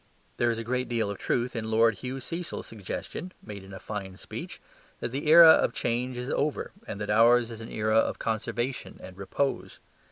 There is a great deal of truth in Lord Hugh Cecil's suggestion (made in a fine speech) that the era of change is over, and that ours is an era of conservation and repose.